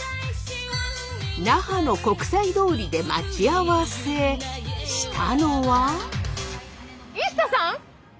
那覇の国際通りで待ち合わせしたのは？